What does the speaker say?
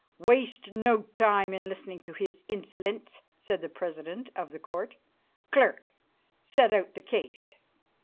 "Waste no time in listening to his insolence," said the president of the Court. "Clerk, set out the case."